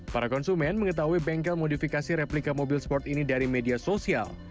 para konsumen mengetahui bengkel modifikasi replika mobil sport ini dari media sosial